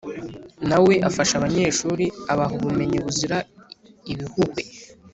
nawe afasha abanyeshuri abaha ubumenyi buzira ibihuhwe.